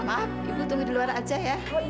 maaf ibu tunggu di luar aja ya